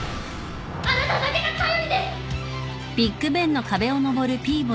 あなただけが頼りです！